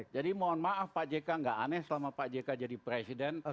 jadi mohon maaf pak jk gak aneh selama pak jk jadi presiden